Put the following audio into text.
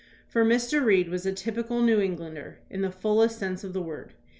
For Mr. Reed was a typical New Englander in the fullest sense of the word.